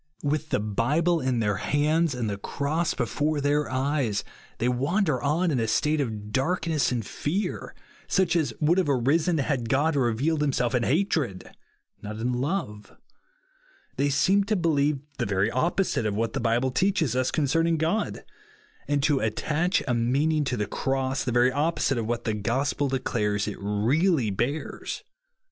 " With the Bible in their hands, and the cross before their eyes, they wander on in a state of darkness and fear, such as would have arisen had God revealed himself in hatred, not in love. They seem to believe the very opposite of what the Bible teaches us concerning God ; and to attach a meaning to the Cross, the very opposite of what the gospel declares it really bears.